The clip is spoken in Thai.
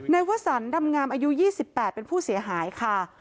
วสันดำงามอายุ๒๘เป็นผู้เสียหายค่ะ